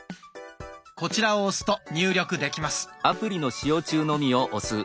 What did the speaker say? こちらを押すと入力できます。